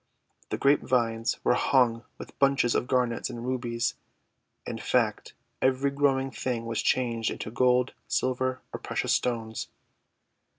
The grapevines were hung with bunches of Garnets and Rubies. In fact, every growing thing was changed into gold, silver, or precious stones.